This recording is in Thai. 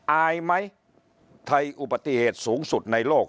อายไหมไทยอุบัติเหตุสูงสุดในโลก